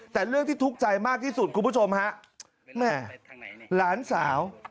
แต่เรื่องที่ทุกข์ใจมากที่สุดคุณผู้ชมฮะแม่หลานสาว